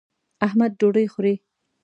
احمد ډوډۍ خوري.